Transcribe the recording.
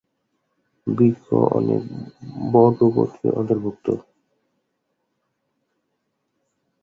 বৃক্ষ উদ্ভিদের অনেক বর্গ ও গোত্রের অন্তর্ভুক্ত।